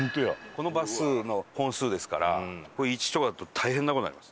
このバスの本数ですから１とかだと大変な事になります。